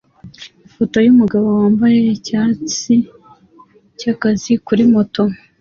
Ifoto yumugabo wambaye icyatsi cyakazi kuri moto